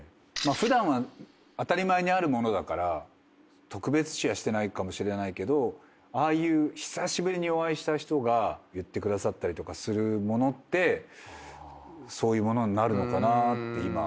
普段は当たり前にある物だから特別視はしてないかもしれないけどああいう久しぶりにお会いした人が言ってくださったりする物ってそういう物になるのかなって今。